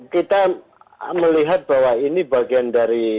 kita melihat bahwa ini bagian dari